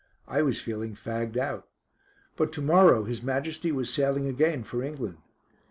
I was feeling fagged out. But to morrow His Majesty was sailing again for England.